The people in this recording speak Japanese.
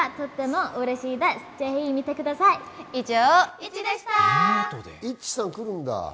イッチさん、来るんだ。